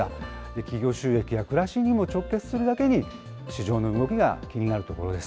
企業収益や暮らしにも直結するだけに、市場の動きが気になるところです。